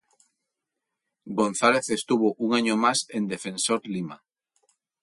González estuvo un año más en Defensor Lima.